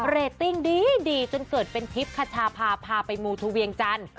เรตติ้งดีจนเกิดเป็นทริปคชาพาพาไปมูทะเวียงจันทร์